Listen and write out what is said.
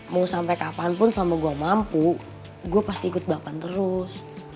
mau sampai kapanpun selama gue mampu gue pasti ikut bapan terus